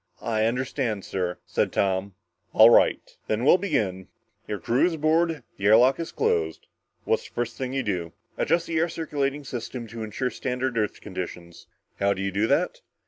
"I understand, sir," said Tom. "All right, then we'll begin. Your crew is aboard, the air lock is closed. What is the first thing you do?" "Adjust the air circulating system to ensure standard Earth conditions." "How do you do that?"